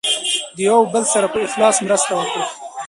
د یو بل سره په اخلاص مرسته وکړئ.